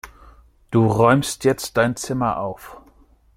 Du räumst jetzt dein Zimmer auf!